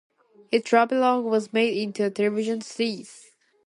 His travelogue was made into a television series.